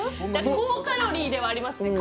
高カロリーではありますね